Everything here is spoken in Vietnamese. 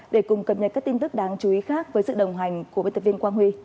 để cùng cập nhật các tin tức đáng chú ý khác với sự đồng hành của biên tập viên quang huy